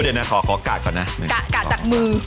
เดี๋ยวนะขอกะจักมือ